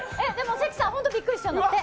関さん、本当にびっくりするんだって。